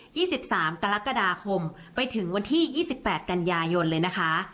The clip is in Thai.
สิบสามกรกฎาคมไปถึงวันที่ยี่สิบแปดกันยายนเลยนะคะ